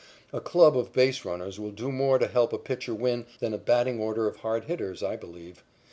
A club of base runners will do more to help a pitcher win than a batting order of hard hitters, I believe.